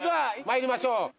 ではまいりましょう。